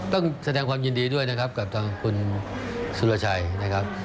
ต้องแสดงความยินดีด้วยนะครับกับทางคุณสุรชัยนะครับ